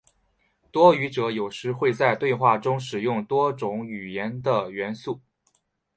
多语者有时会在对话中使用多种语言的元素。